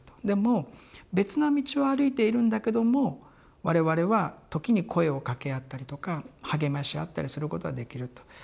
でも別な道を歩いているんだけども我々は時に声を掛け合ったりとか励まし合ったりすることはできると。